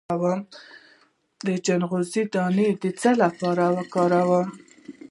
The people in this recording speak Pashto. د چلغوزي دانه د څه لپاره وکاروم؟